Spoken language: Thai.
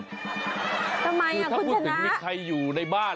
ทำไมคุณชนะคือถ้าพูดถึงมีใครอยู่ในบ้าน